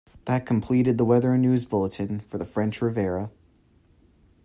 That completed the weather and news bulletin for the French Riviera.